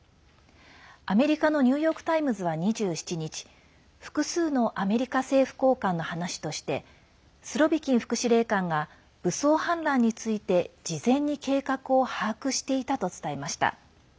アメリカのニューヨーク・タイムズは２７日複数のアメリカ政府高官の話としてスロビキン副司令官が武装反乱について事前に計画を把握していたと伝えました。